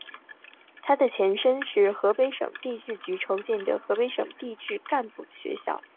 他的前身是由河北省地质局筹建的河北省地质局干部学校。